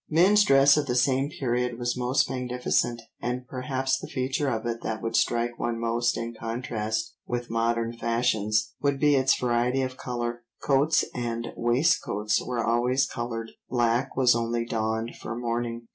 Men's dress of the same period was most magnificent, and perhaps the feature of it that would strike one most in contrast with modern fashions, would be its variety of colour; coats and waistcoats were always coloured, black was only donned for mourning.